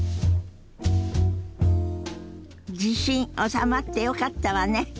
地震収まってよかったわね。